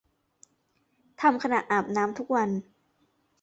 ทำขณะอาบน้ำทุกวัน